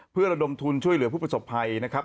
เพื่อระดมทุนช่วยเหลือผู้ประสบภัยนะครับ